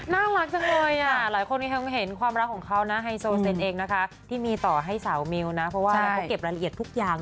น่ารักจังเลยอ่ะหลายคนยังคงเห็นความรักของเขานะไฮโซเซนเองนะคะที่มีต่อให้สาวมิวนะเพราะว่าเขาเก็บรายละเอียดทุกอย่าง